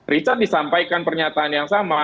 richard disampaikan pernyataan yang sama